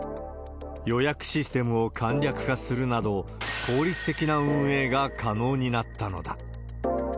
予約システムを簡略化するなど、効率的な運営が可能になったのだ。